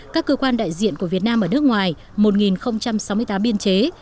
các cơ quan đại diện của việt nam ở nước ngoài một sáu mươi tám biên chế